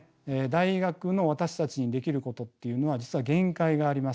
大学の私たちにできることっていうのは実は限界があります。